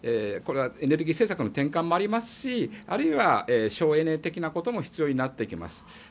これはエネルギー政策の転換もありますしあるいは省エネ的なことも必要になってきます。